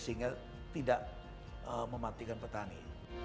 sehingga tidak mematikan petani